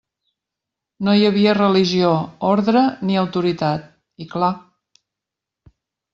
No hi havia religió, ordre ni autoritat, i... clar!